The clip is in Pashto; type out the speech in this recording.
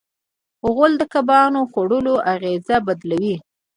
غول د کبان خوړلو اغېز بدلوي.